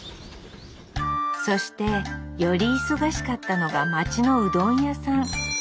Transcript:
そしてより忙しかったのが町のうどん屋さん。